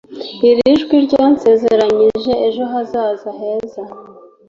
iri jwi ryansezeranije ejo hazaza heza